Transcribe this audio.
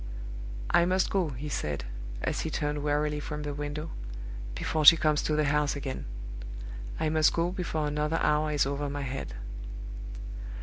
"I must go," he said, as he turned wearily from the window, "before she comes to the house again. I must go before another hour is over my head."